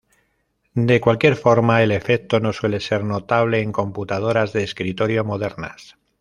De cualquier forma, el efecto no suele ser notable en computadoras de escritorio modernas.